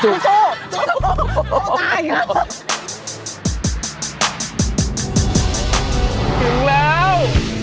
ถึงแล้ว